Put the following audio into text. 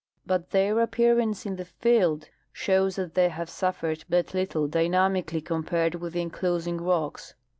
But their appearance in the field shows that they have suffered but little dynamically compared with the enclosing rocks.